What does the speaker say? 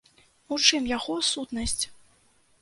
У чым яго сутнасць?